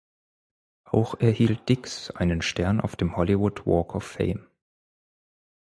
Auch erhielt Dix einen Stern auf dem Hollywood Walk of Fame.